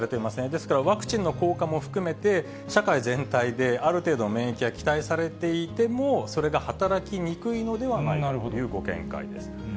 ですから、ワクチンの効果も含めて、社会全体である程度の免疫が期待されていても、それが働きにくいのではないかというご見解です。